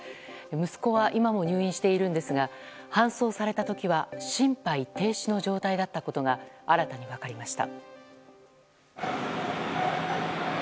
息子は今も入院しているんですが搬送された時は心肺停止の状態だったことが新たに分かりました。